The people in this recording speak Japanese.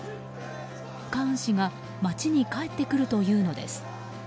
カーン氏が街に帰ってくるというのです。